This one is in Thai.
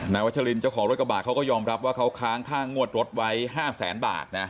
วัชลินเจ้าของรถกระบะเขาก็ยอมรับว่าเขาค้างค่างวดรถไว้๕แสนบาทนะ